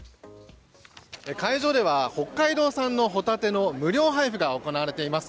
会場では北海道産のホタテの無料配布が行われています。